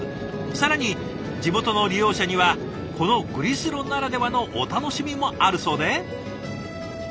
更に地元の利用者にはこのグリスロならではのお楽しみもあるそうで。